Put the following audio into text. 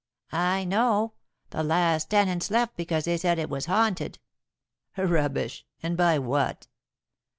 "I know. The last tenants left because they said it was haunted." "Rubbish! And by what?"